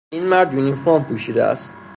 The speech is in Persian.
این مرد یونیفرم پوشیده است.